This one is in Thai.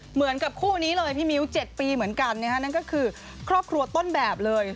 เหมือนกับคู่นี้เลยพี่มิ้ว๗ปีเหมือนกันนะฮะนั่นก็คือครอบครัวต้นแบบเลย